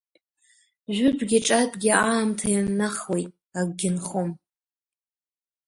Жәытәгьы ҿатәгьы аамҭа ианнахуеит, акгьы нхом.